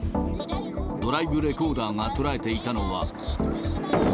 ドライブレコーダーが捉えていたのは。